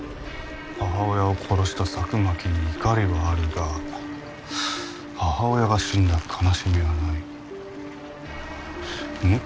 母親を殺した佐久巻に「怒り」はあるが母親が死んだ「悲しみ」はないん？